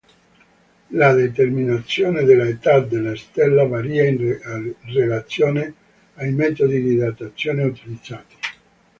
La determinazione dell'età della stella varia in relazione ai metodi di datazione utilizzati.